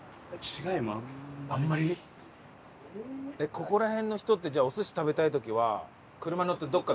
ここら辺の人ってじゃあお寿司食べたい時は車に乗ってどっか。